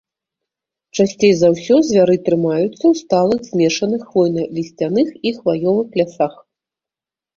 Часцей за ўсё звяры трымаюцца ў сталых змешаных хвойна-лісцяных і хваёвых лясах.